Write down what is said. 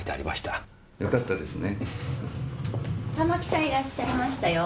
たまきさんいらっしゃいましたよ。